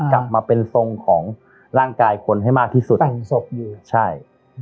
กลับมาเป็นทรงของร่างกายคนให้มากที่สุดของศพอยู่ใช่